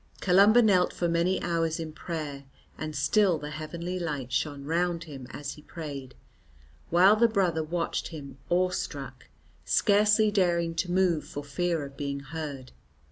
Columba knelt for many hours in prayer, and still the heavenly light shone round him as he prayed; while the brother watched him awestruck, scarcely daring to move for fear of being heard.